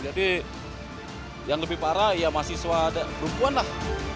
jadi yang lebih parah ya mahasiswa ada perempuan lah